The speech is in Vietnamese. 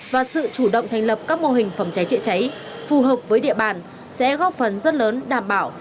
và sự chủ động thành lập các mô hình phòng cháy chữa cháy phù hợp với địa bàn sẽ góp phần rất lớn đảm bảo